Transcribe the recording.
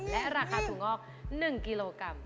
และราคาถั่วงอก๑กิโลกรัม